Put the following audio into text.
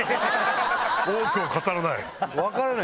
多くを語らない！